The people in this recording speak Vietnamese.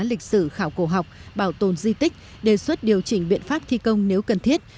lịch sử khảo cổ học bảo tồn di tích đề xuất điều chỉnh biện pháp thi công nếu cần thiết